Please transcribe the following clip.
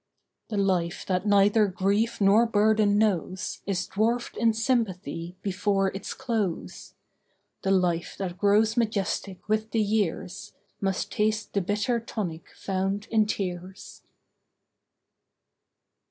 The life that neither grief nor burden knows Is dwarfed in sympathy before its close. The life that grows majestic with the years Must taste the bitter tonic found in tears.